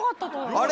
「あれ？